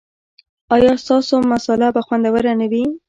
ایا ستاسو مصاله به خوندوره نه وي؟